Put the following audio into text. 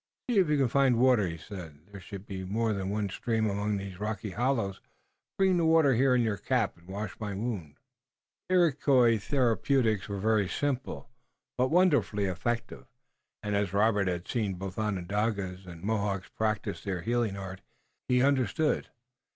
"See if you can find water," he said. "There should be more than one stream among these rocky hollows. Bring the water here in your cap and wash my wound." Iroquois therapeutics were very simple, but wonderfully effective, and, as Robert had seen both Onondagas and Mohawks practice their healing art, he understood.